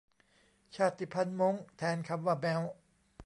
ชาติพันธุ์ม้ง แทนคำว่าแม้ว